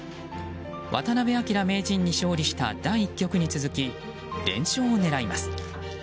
渡辺明名人に勝利した第１局に続き連勝を狙います。